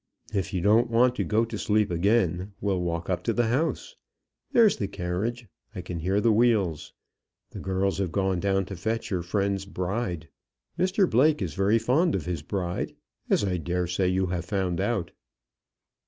If you don't want to go to sleep again, we'll walk up to the house. There's the carriage. I can hear the wheels. The girls have gone down to fetch your friend's bride. Mr Blake is very fond of his bride, as I dare say you have found out."